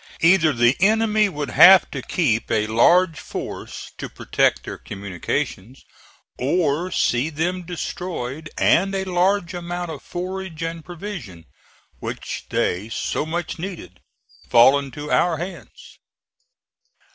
Either the enemy would have to keep a large force to protect their communications, or see them destroyed and a large amount of forage and provision, which they so much needed, fall into our hands.